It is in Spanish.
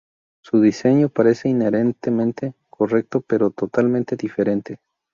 Su diseño parece inherentemente correcto, pero totalmente diferente.